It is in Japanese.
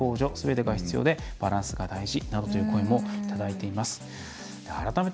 自助、共助、公助すべてが必要でバランスが大事だという声もいただいています。